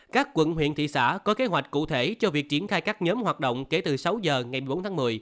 các quận huyện thị xã có kế hoạch cụ thể cho việc triển khai các nhóm hoạt động kể từ sáu h ngày một mươi bốn tháng một mươi